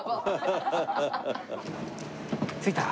着いた。